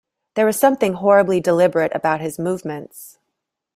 There was something horribly deliberate about his movements.